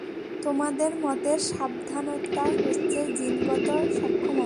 তোমাদের মতে সমাধানটা হচ্ছে জিনগত সক্ষমতা।